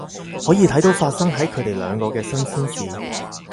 可以睇到發生喺佢哋兩個嘅新鮮事